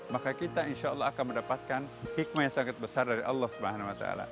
maka kita insya allah akan mendapatkan hikmah yang sangat besar dari allah swt